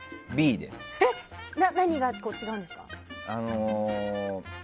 何が違うんですか？